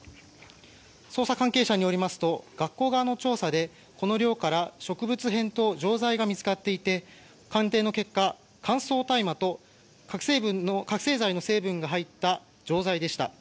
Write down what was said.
捜査関係者によりますと学校側の調査で、この寮から植物片と錠剤が見つかっていて鑑定の結果、乾燥の大麻と覚醒剤の成分が入った錠剤でした。